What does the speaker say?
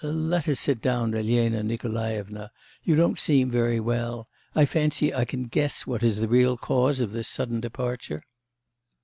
let us sit down, Elena Nikolaevna, you don't seem very well.... I fancy I can guess what is the real cause of this sudden departure.